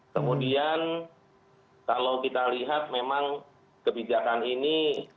kemudian kalau kita lihat memang kebijakan ini